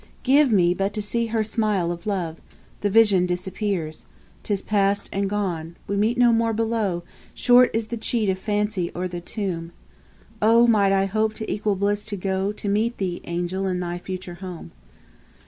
give me but to see Her smile of love! The vision disappears. 10. 'Tis past and gone. We meet no more below, Short is the cheat of Fancy o'er the tomb. Oh! might I hope to equal bliss to go, To meet thee, angel, in thy future home.